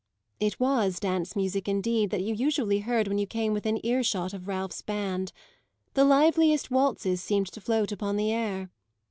It was dance music indeed that you usually heard when you came within ear shot of Ralph's band; the liveliest waltzes seemed to float upon the air.